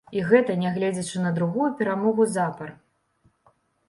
І гэта нягледзячы на другую перамогу запар.